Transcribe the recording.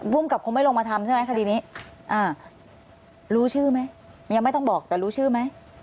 ภูมิกับคงไม่ลงมาทำใช่ไหมคดีนี้อ่ารู้ชื่อไหมยังไม่ต้องบอกแต่รู้ชื่อไหม